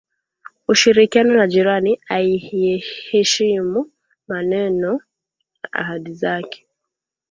ushirikiano na jirani aiyeheshimu maneno na ahadi zake